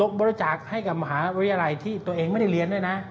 บริจาคให้กับมหาวิทยาลัยที่ตัวเองไม่ได้เรียนด้วยนะ